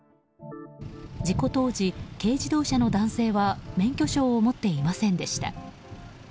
事故当時、軽自動車の男性は免許証を持っていませんでした。